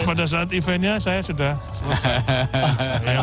pada saat eventnya saya sudah selesai